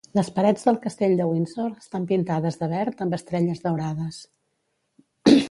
Les parets del castell de Windsor estan pintades de verd amb estrelles daurades.